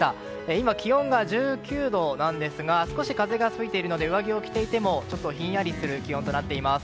今、気温が１９度なんですが少し風が吹いているので上着を着ていてもちょっとひんやりする気温となっています。